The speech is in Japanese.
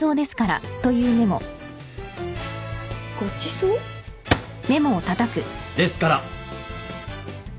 ごちそう？ですから！